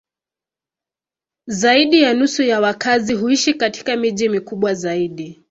Zaidi ya nusu ya wakazi huishi katika miji mikubwa zaidi.